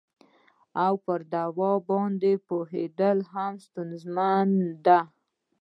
او په دوا باندې یې پوهیدل هم ستونزمنه ده